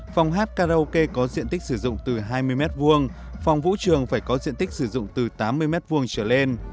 phòng hát karaoke có diện tích sử dụng từ hai mươi m hai phòng vũ trường phải có diện tích sử dụng từ tám mươi m hai trở lên